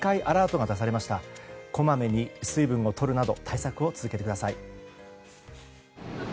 こまめに水分をとるなど対策を続けてください。